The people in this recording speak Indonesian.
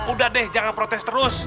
udah deh jangan protes terus